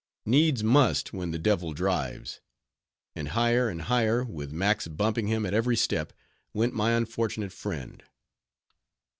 Needs must when the devil drives; and higher and higher, with Max bumping him at every step, went my unfortunate friend.